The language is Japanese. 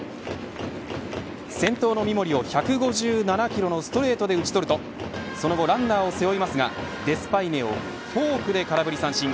先頭の三森を１５７キロのストレートで打ち取るとその後ランナーを背負いますがデスパイネをフォークで空振り三振。